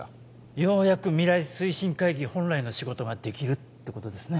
ようやく未来推進会議本来の仕事ができるってことですね